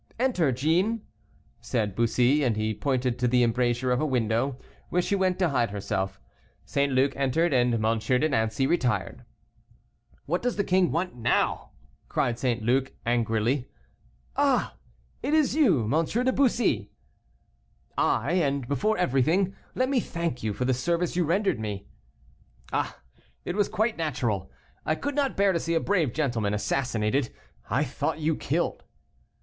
"Enter, Jean," said Bussy, and he pointed to the embrasure of a window, where she went to hide herself. St. Luc entered, and M. de Nancey retired. "What does the king want now?" cried St. Luc, angrily; "ah! it is you, M. de Bussy." "I, and before everything, let me thank you for the service you rendered me." "Ah! it was quite natural; I could not bear to see a brave gentleman assassinated: I thought you killed."